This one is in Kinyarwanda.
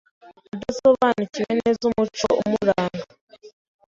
adasobanukiwe neza umuco umuranga